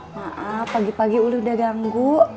maaf pagi pagi udah ganggu